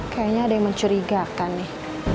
kayaknya ada yang mencurigakan nih